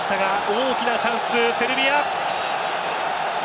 大きなチャンスでしたセルビア。